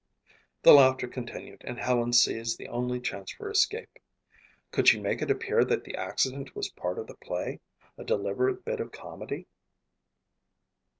The laughter continued, and Helen seized the only chance for escape. Could she make it appear that the accident was a part of the play, a deliberate bit of comedy?